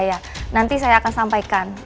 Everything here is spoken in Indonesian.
aku bisa tetap iminkan